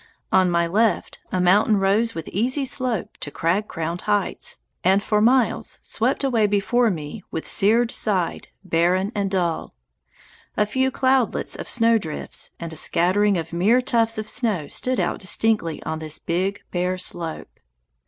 On my left a mountain rose with easy slope to crag crowned heights, and for miles swept away before me with seared side barren and dull. A few cloudlets of snowdrifts and a scattering of mere tufts of snow stood out distinctly on this big, bare slope.